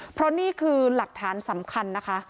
เพราะนี่คือหลักฐานสำคัญนะคะ